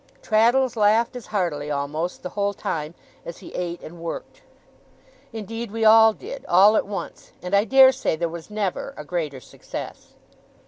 Traddles laughed as heartily, almost the whole time, as he ate and worked. Indeed we all did, all at once; and I dare say there was never a greater success.